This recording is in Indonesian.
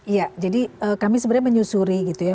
iya jadi kami sebenarnya menyusuri gitu ya